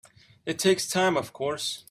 It takes time of course.